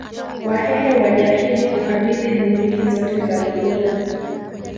Wahehe waliahidi Kukabidhi bunduki zote za gobori